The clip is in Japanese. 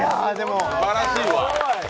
すばらしいわ。